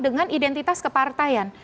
dengan identitas kepartaian